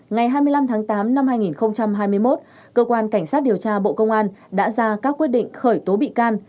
ngày hai mươi năm tháng tám năm hai nghìn hai mươi một cơ quan cảnh sát điều tra bộ công an đã ra các quyết định khởi tố bị can